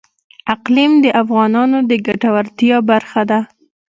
اقلیم د افغانانو د ګټورتیا برخه ده.